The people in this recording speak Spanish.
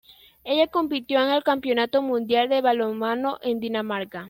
Ella compitió en el Campeonato Mundial de Balonmano en Dinamarca.